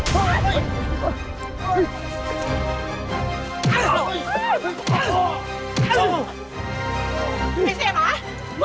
ปล่อยกูปล่อยกู